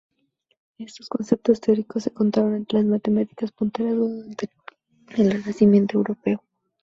Estos conceptos teóricos se contaron entre las matemáticas punteras durante el Renacimiento europeo.